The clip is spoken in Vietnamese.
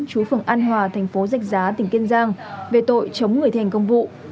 chú phường an hòa tp giách giá tỉnh kiên giang về tội chống người thành công vụ